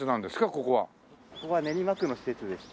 ここは練馬区の施設でして。